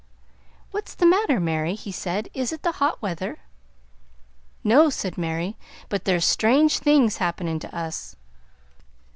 "What's the matter, Mary?" he said. "Is it the hot weather?" "No," said Mary; "but there's strange things happenin' to us."